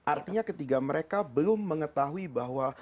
artinya ketika mereka belum mengetahui bahwa